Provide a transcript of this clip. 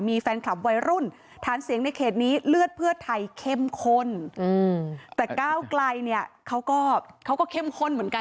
มีแฟนคลับวัยรุ่นฐานเสียงในเขตนี้เลือดเพื่อไทยเข้มข้นแต่ก้าวไกลเนี่ยเขาก็เขาก็เข้มข้นเหมือนกัน